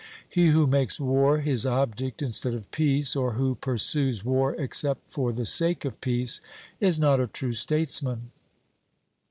He who makes war his object instead of peace, or who pursues war except for the sake of peace, is not a true statesman.